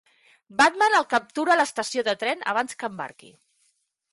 Batman el captura a l'estació de tren abans que embarqui.